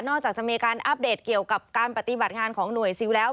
จากจะมีการอัปเดตเกี่ยวกับการปฏิบัติงานของหน่วยซิลแล้ว